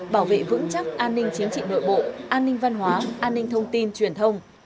bảo vệ vững chắc an ninh chính trị nội bộ an ninh văn hóa an ninh thông tin truyền thông